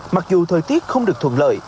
mặc dù thời tiết không được thuận lợi